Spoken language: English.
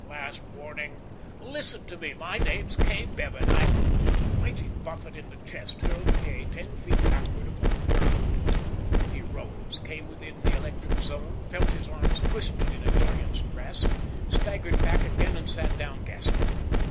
Last warning!" "Listen to me. My name's Kay Bevan. I " A mighty buffet in the chest hurled Kay ten feet backward upon the ground. He rose, came within the electric zone, felt his arms twisted in a giant's grasp, staggered back again and sat down gasping.